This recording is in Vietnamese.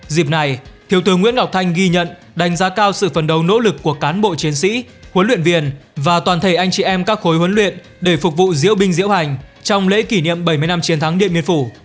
dịp này thiếu tướng nguyễn ngọc thanh ghi nhận đánh giá cao sự phần đầu nỗ lực của cán bộ chiến sĩ huấn luyện viên và toàn thể anh chị em các khối huấn luyện để phục vụ diễu binh diễu hành trong lễ kỷ niệm bảy mươi năm chiến thắng điện biên phủ